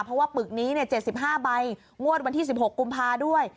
เพราะว่าปึกนี้๗๕ใบงวดวันที่๑๖กุมภาด้วย